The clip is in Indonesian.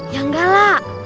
ya enggak lah